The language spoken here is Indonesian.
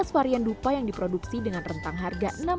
enam belas varian dupa yang diproduksi dengan rentang harga